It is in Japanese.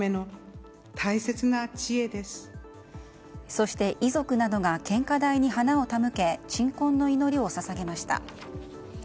そして遺族などが献花台に花を手向け鎮魂の祈りを捧げました。